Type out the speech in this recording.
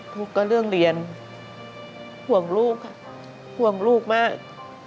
ทุกข์ก็เรื่องเรียนห่วงลูกค่ะห่วงลูกมาก